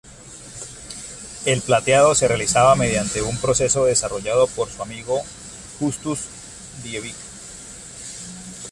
El plateado se realizaba mediante un proceso desarrollado por su amigo Justus Liebig.